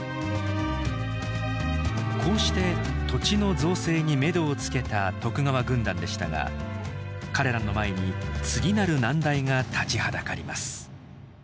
こうして土地の造成にめどをつけた徳川軍団でしたが彼らの前に次なる難題が立ちはだかります。